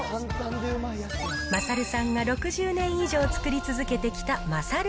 まさるさんが６０年以上作り続けてきたまさる